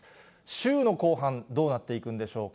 週の後半、どうなっていくんでしょうか。